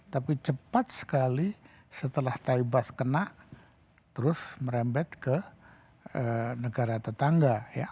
tapi cepat sekali setelah taibus kena terus merembet ke negara tetangga